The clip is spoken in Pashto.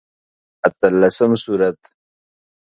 اتلسم سورت دی.